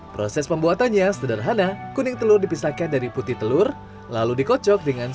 proses pembuatannya sederhana kuning telur dipisahkan dari putih telur lalu dikocok dengan